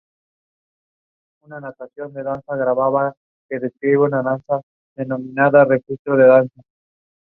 The specific epithet ("riparia") means "frequenting the banks of rivers or streams".